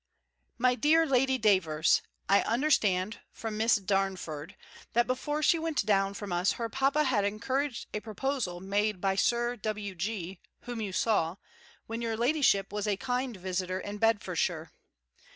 _ MY DEAR LADY DAVERS, I understand from Miss Darnford, that before she went down from us, her papa had encouraged a proposal made by Sir W.G. whom you saw, when your ladyship was a kind visitor in Bedfordshire.